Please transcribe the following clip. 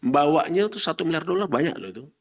bawanya itu satu miliar dolar banyak loh itu